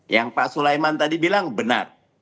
yang pak sulaiman tadi bilang benar